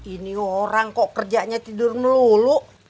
ini orang kok kerjanya tidur melulu